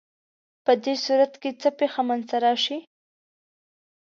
په دې صورت کې څه پېښه منځ ته راشي؟